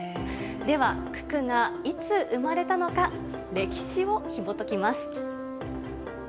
では、九九がいつ生まれたのか、歴史をひもときます。